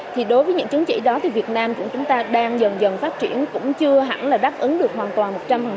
thì đối với những chứng chỉ đó thì việt nam của chúng ta đang dần dần phát triển cũng chưa hẳn là đáp ứng được hoàn toàn một trăm linh